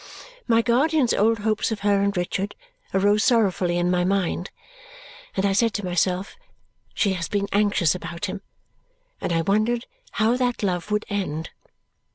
My guardian's old hopes of her and Richard arose sorrowfully in my mind, and I said to myself, "She has been anxious about him," and I wondered how that love would end.